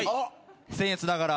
せんえつながら。